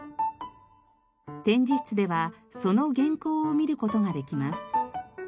展示室ではその原稿を見る事ができます。